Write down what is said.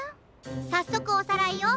さっそくおさらいよ。